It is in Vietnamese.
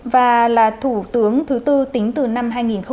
và là thủ tướng thứ tư tính từ năm hai nghìn một mươi